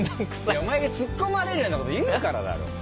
お前がツッコまれるようなこと言うからだろ。